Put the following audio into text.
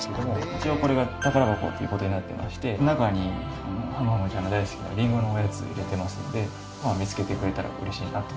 一応これが宝箱ということになってまして中にはむはむちゃんの大好きなリンゴのおやつ入れてますんで見つけてくれたらうれしいなと。